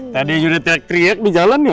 tadi sudah teriak teriak di jalan ya